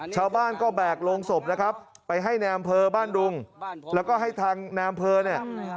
ชาวบ้านก็แบกโรงศพนะครับไปให้ในอำเภอบ้านดุงแล้วก็ให้ทางในอำเภอเนี่ย